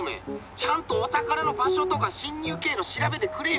ちゃんとお宝の場所とか侵入経路調べてくれよ。